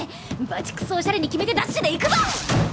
バチクソおしゃれに決めてダッシュで行くぞ！